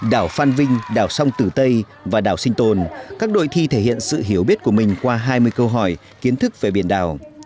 đảo phan vinh đảo sông tử tây và đảo sinh tồn các đội thi thể hiện sự hiểu biết của mình qua hai mươi câu hỏi kiến thức về biển đảo